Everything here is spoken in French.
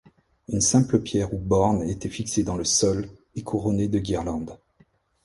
Une simple pierre ou borne était fixée dans le sol et couronnée de guirlandes.